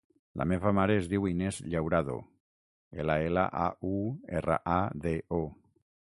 La meva mare es diu Inés Llaurado: ela, ela, a, u, erra, a, de, o.